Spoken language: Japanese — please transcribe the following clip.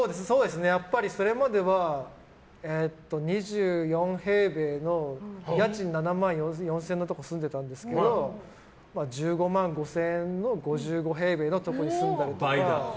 それまでは２４平米の家賃７万４０００円のとこ住んでたんですけど１５万５０００円の５５平米のところに住んだりとか。